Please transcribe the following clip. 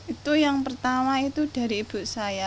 itu yang pertama itu dari ibu saya